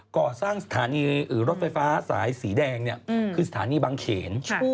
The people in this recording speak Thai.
ก่อสร้างสถานีรถไฟฟ้าสายสีแดงเนี่ยคือสถานีบางเขน